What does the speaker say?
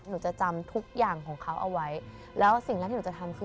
หนูจะจำทุกอย่างของเขาเอาไว้แล้วสิ่งแรกที่หนูจะทำคือ